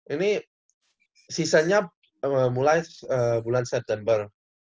ini sisanya mulai bulan september